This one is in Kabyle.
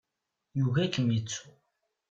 Yugi ad kem-yettu.